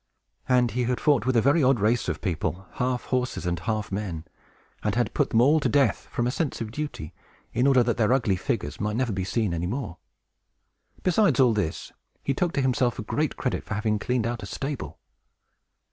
And he had fought with a very odd race of people, half horses and half men, and had put them all to death, from a sense of duty, in order that their ugly figures might never be seen any more. Besides all this, he took to himself great credit for having cleaned out a stable.